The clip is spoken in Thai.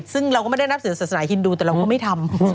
ซึ่งเราก็ไม่ได้นับถือศาสนาฮินดูแต่เราก็ไม่ทำ